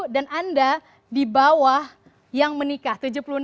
dan anda di bawah yang menikah tujuh puluh enam lima